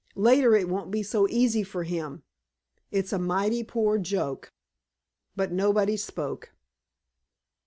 Later, it won't be so easy for him. It's a mighty poor joke." But nobody spoke.